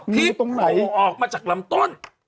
ที่ผ่างูออกมาจากลำต้น